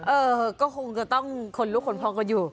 เออก็คงจะต้องคนรู้คนพร้อมกันอยู่